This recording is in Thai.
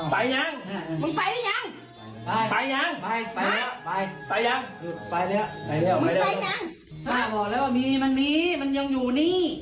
ไป